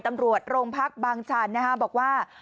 ตำรวจโรงพักบางชันบอกว่า